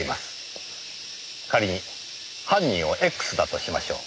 仮に犯人をＸだとしましょう。